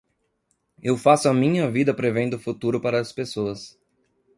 Eu faço a minha vida prevendo o futuro para as pessoas